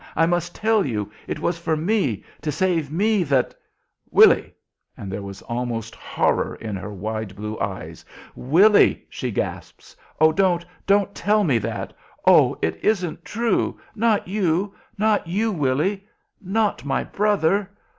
I must tell you! It was for me, to save me that " "Willy!" and there is almost horror in her wide blue eyes. "Willy!" she gasps "oh, don't don't tell me that! Oh, it isn't true? Not you not you, Willy. Not my brother!